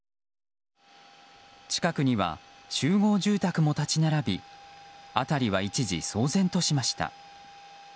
近くには集合住宅も立ち並び辺りは一時、騒然としました。